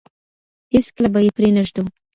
هېڅکله به يې پرې نه ږدو.